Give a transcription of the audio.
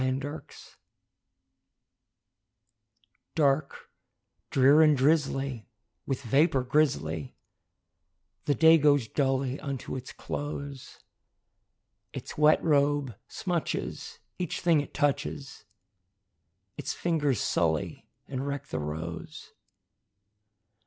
A WET DAY Dark, drear, and drizzly, with vapor grizzly, The day goes dully unto its close; Its wet robe smutches each thing it touches, Its fingers sully and wreck the rose.